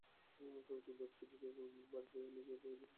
কয়েক দিনের ছুটিতে বাড়িতে এলে গতকাল ইয়াকুব ব্যাপারীর সঙ্গে তাঁর ঝগড়া হয়।